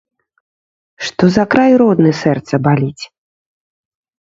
Што за край родны сэрца баліць.